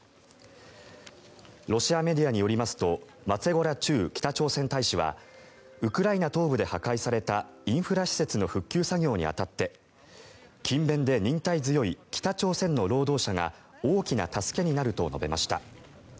ロシアメディアによりますとマツェゴラ駐北朝鮮大使はウクライナ東部で破壊されたインフラ施設の復旧作業に当たって勤勉で忍耐強い北朝鮮の労働者が大きな助けになると述べました。